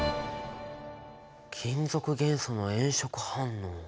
金属元素の炎色反応。